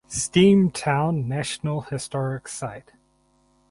Steamtown National Historic Site